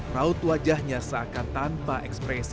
raut wajahnya seakan tanpa ekspresi